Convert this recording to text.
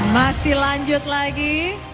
masih lanjut lagi